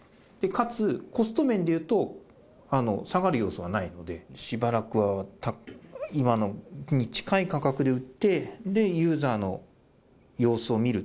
かつ、コスト面でいうと、下がる要素はないので、しばらくは今に近い価格で売って、ユーザーの様子を見る。